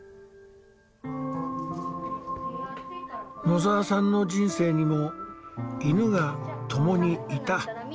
野澤さんの人生にも犬が共に居た。